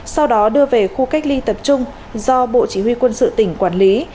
sau đó đưa về khu cách ly tập trung do bộ chỉ huy quân sự tỉnh quản lý